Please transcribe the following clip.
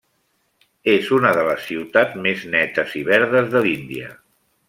És una de les ciutats més netes i verdes de l'Índia.